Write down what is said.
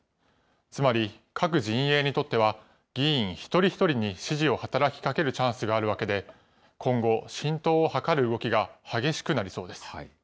つまり、各陣営にとっては、議員一人一人に支持を働きかけるチャンスがあるわけで、今後、浸透を図る動きが激しくなりそうです。